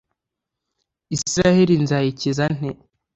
israheli nzayikiza nte